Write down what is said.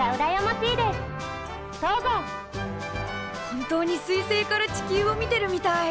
本当に彗星から地球を見てるみたい。